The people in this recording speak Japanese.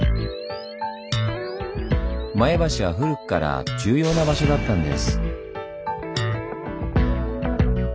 前橋は古くから重要な場所だったんです。